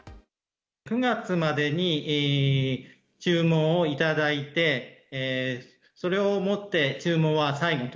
９月までに、注文を頂いて、それをもって注文は最後と。